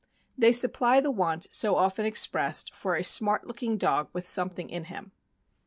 They supply the want so often expressed for "a smart looking dog with something in him."